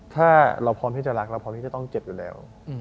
ถ้าเราพร้อมที่จะรักเราพร้อมที่จะต้องเจ็บอยู่แล้ว